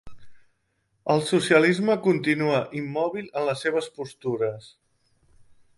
El socialisme continua immòbil en les seves postures